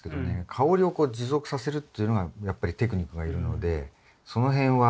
香りをこう持続させるっていうのがやっぱりテクニックがいるのでそのへんは。